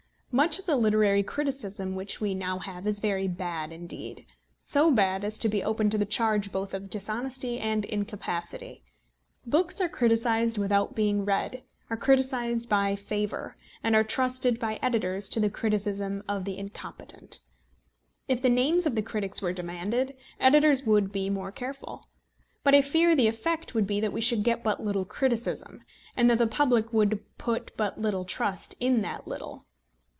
Much of the literary criticism which we now have is very bad indeed; so bad as to be open to the charge both of dishonesty and incapacity. Books are criticised without being read, are criticised by favour, and are trusted by editors to the criticism of the incompetent. If the names of the critics were demanded, editors would be more careful. But I fear the effect would be that we should get but little criticism, and that the public would put but little trust in that little.